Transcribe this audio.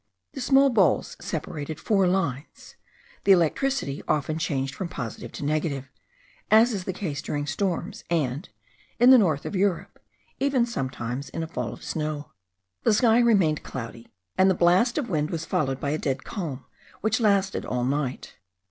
The small balls separated four lines; the electricity often changed from positive to negative, as is the case during storms, and, in the north of Europe, even sometimes in a fall of snow. The sky remained cloudy, and the blast of wind was followed by a dead calm, which lasted all night.